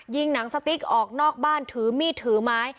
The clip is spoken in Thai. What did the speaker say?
หนังสติ๊กออกนอกบ้านถือมีดถือไม้